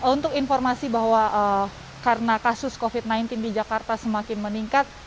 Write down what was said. untuk informasi bahwa karena kasus covid sembilan belas di jakarta semakin meningkat